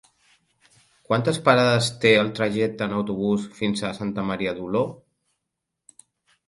Quantes parades té el trajecte en autobús fins a Santa Maria d'Oló?